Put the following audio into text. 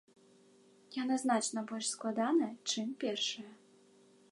Яна значна больш складаная, чым першая.